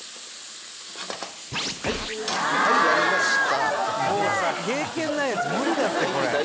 「はいやりました」